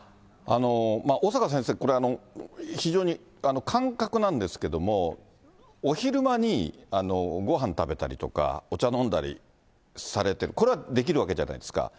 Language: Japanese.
小坂先生、これ、非常に感覚なんですけれども、お昼間にごはん食べたりとか、お茶飲んだりされてる、これはできるわけじゃないですか。